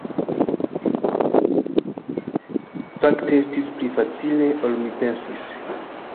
Fakte estis pli facile ol mi pensis.